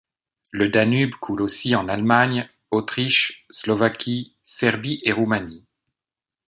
Le Danube coule aussi en Allemagne, Autriche, Slovaquie, Serbie et Roumanie.